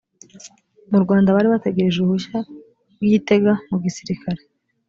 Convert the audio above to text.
mu rwanda bari bategereje uruhushya rw’ i gitega mu gisirikare